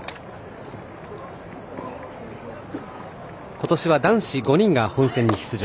今年は男子５人が本戦に出場。